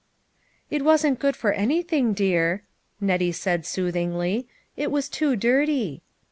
" It wasn't good for anything, dear," Nettie said soothingly, " it was too dirty."